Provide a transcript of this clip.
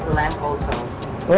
jadi ini juga lampu